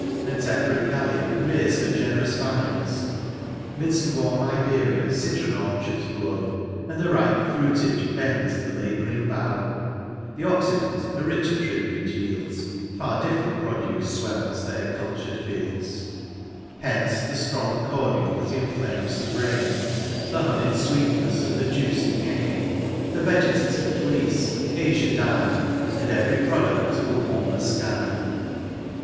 And temperate Gallia rears her generous vines ; 'Midft warm Iberia citron orchards blow. And the ripe fruitage bends the labouring bough : The Occident a richer tribute yields, Far different produce fwells their cultur'd fields ; V Hence MOUNT PLEASANT. * 13 Hence the ftrons; cordial that inflames the brain, The honey'd fweetnefs of the juicy cane, The vegetative fleece, the azure dye. And every produdl of a warmer flcy.